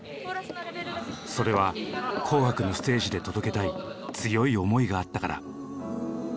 それは「紅白」のステージで届けたい強い思いがあったから。